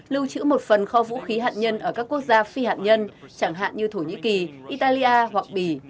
lưu trữ một phần kho vũ khí hạt nhân ở các quốc gia phi hạt nhân chẳng hạn như thổ nhĩ kỳ italia hoặc bỉ